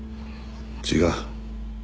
違う。